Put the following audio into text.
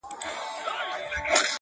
دا زموږ جونګړه بورجل مه ورانوی-